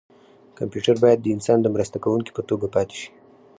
کمپیوټر باید د انسان د مرسته کوونکي په توګه پاتې شي.